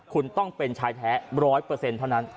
คุณต้องเป็นชายแท้๑๐๐เท่านั้น